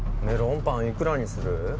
メロンパンいくらにする？